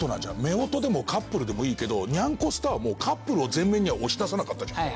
夫婦でもカップルでもいいけどにゃんこスターもカップルを前面には押し出さなかったじゃん。